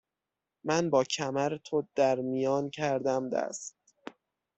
من باکمر تو در میان کردم دست